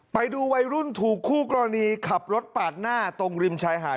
ไปดูวัยรุ่นถูกคู่กรณีขับรถปาดหน้าตรงริมชายหาด